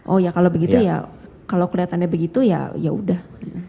oh ya kalau begitu ya kalau kelihatannya begitu ya yaudah